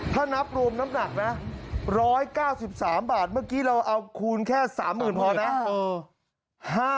ถ้านับรวมน้ำหนักนะ๑๙๓บาทเมื่อกี้เราเอาคูณแค่๓๐๐๐พอนะ